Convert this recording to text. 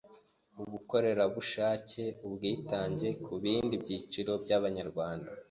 Ubukorerabushake/Ubwitange ku bindi byiciro by’abanyarwanda